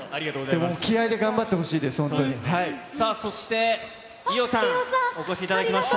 でも気合いで頑張ってほしいそして伊代さん、お越しいただきました。